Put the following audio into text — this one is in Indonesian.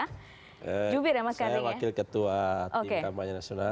saya wakil ketua tim kampanye nasional